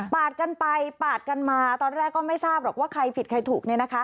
กันไปปาดกันมาตอนแรกก็ไม่ทราบหรอกว่าใครผิดใครถูกเนี่ยนะคะ